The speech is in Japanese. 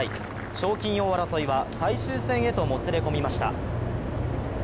賞金王争いは最終戦へともつれこみました。